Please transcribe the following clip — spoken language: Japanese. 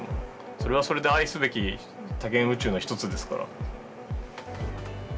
それはそれで愛すべき多元宇宙の一つですから。